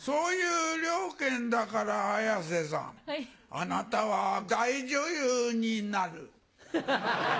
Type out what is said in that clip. あなたは大女優になる。